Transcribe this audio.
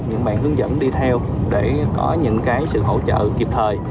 những bạn hướng dẫn đi theo để có những cái sự hỗ trợ kịp thời